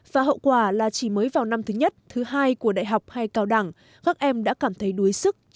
và hậu quả là chỉ mới vào năm thứ nhất thứ hai của đại học hay cao đẳng các em đã cảm thấy đuối sức